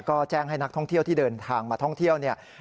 ก็แจ้งให้นักท่องเที่ยวที่เดินทางมาท่องเที่ยวเนี่ย